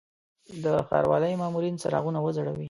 د ښاروالي مامورین څراغونه وځړوي.